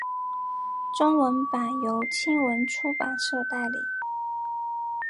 中文版由青文出版社代理。